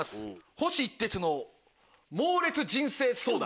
「星一徹のモーレツ人生相談」。